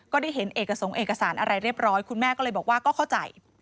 ก็ได้เห็นเอกสงค์เอกสารอะไรเรียบร้อยคุณแม่ก็เลยบอกว่าก็เข้าใจ